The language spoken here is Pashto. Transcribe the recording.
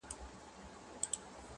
o لاري ډېري دي، خو د مړو لار يوه ده!